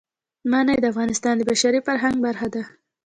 منی د افغانستان د بشري فرهنګ برخه ده.